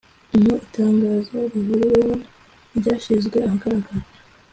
Mu itangazo rihuriweho ryashyizwe ahagaragara